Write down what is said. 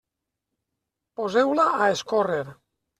Poseu-la a escórrer.